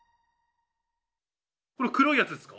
この黒いやつですか？